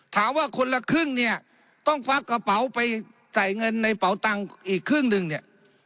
ถามว่าคนละครึ่งเนี่ยต้องควักกระเป๋าไปใส่เงินในเป๋าตังค์อีกครึ่งหนึ่งเนี่ย